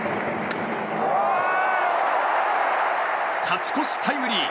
勝ち越しタイムリー！